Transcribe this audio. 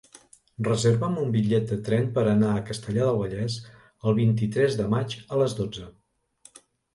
Reserva'm un bitllet de tren per anar a Castellar del Vallès el vint-i-tres de maig a les dotze.